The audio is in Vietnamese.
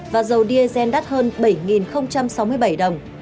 và dầu diesel đắt hơn bảy đồng